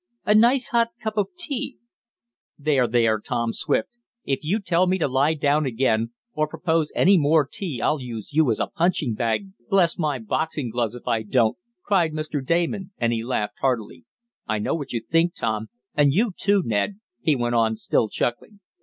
A nice hot cup of tea " "There, there, Tom Swift; If you tell me to lie down again, or propose any more tea I'll use you as a punching bag, bless my boxing gloves if I don't!" cried Mr. Damon and he laughed heartily. "I know what you think, Tom, and you, too, Ned," he went on, still chuckling.